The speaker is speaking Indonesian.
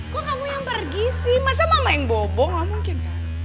kok kamu yang pergi sih masa mama yang bobo gak mungkin kan